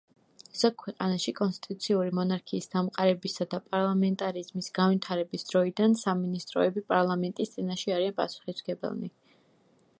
ზოგ ქვეყანაში კონსტიტუციური მონარქიის დამყარებისა და პარლამენტარიზმის განვითარების დროიდან სამინისტროები პარლამენტის წინაშე არიან პასუხისმგებელნი.